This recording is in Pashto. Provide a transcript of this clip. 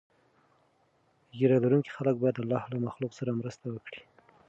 ږیره لرونکي خلک باید د الله له مخلوق سره مرسته وکړي.